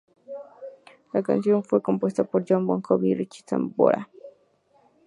La canción fue compuesta por Jon Bon Jovi y Richie Sambora.